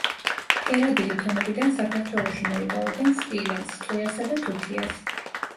ფერადი ლითონებიდან საქართველოში მოიპოვებენ სპილენძს, ტყვიასა და თუთიას.